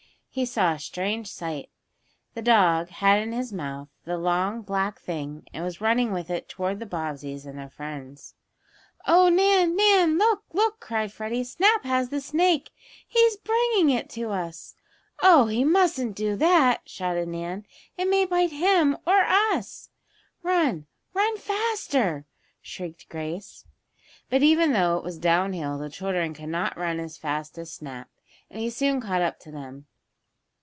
He saw a strange sight. The dog had in his mouth the long, black thing, and was running with it toward the Bobbseys and their friends. "Oh, Nan! Nan! Look! Look!" cried Freddie. "Snap has the snake! He's bringing it to us!" "Oh, he mustn't do that!" shouted Nan. "It may bite him or us." "Run! Run faster!" shrieked Grace. But even though it was down hill the children could not run as fast as Snap, and he soon caught up to them.